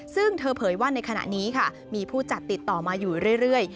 ซึ่งเธอเผยว่าในขณะนี้ค่ะมีผู้จัดติดต่อมาอยู่เรื่อย